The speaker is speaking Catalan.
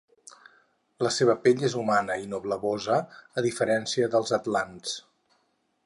La seua pell és humana i no blavosa, a diferència dels atlants.